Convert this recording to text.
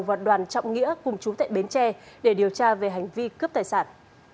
và đoàn trọng nghĩa cùng chú tại bến tre để điều tra về hành vi cướp tài sản